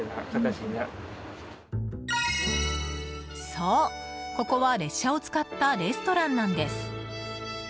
そう、ここは列車を使ったレストランなんです。